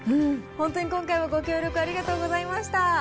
本当に今回はご協力、ありがとうございました。